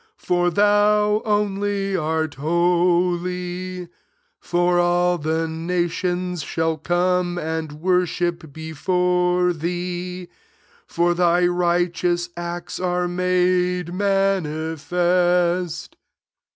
for thou only art holy: for all the nations shall come and worship before thee ; for thy righteous acts are made manifest."